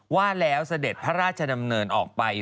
ว่าแล้วเสด็จพระราชดำเนินออกไป